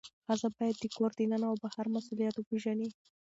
ښځه باید د کور دننه او بهر مسئولیت وپیژني.